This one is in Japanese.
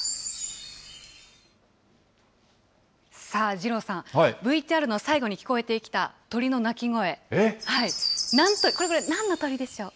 二郎さん、ＶＴＲの最後に聞こえてきた鳥の鳴き声、これ、なんの鳥でしょう？